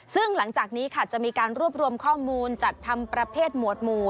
ซึ่งหลังจากนี้ค่ะจะมีการรวบรวมข้อมูลจัดทำประเภทหมวดหมู่